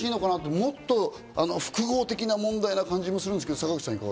もっと複合的な問題の感じがするんですけど、坂口さん。